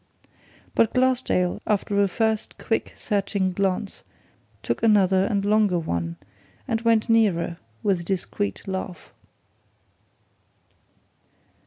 But Glassdale, after a first quick, searching glance, took another and longer one and went nearer with a discreet laugh.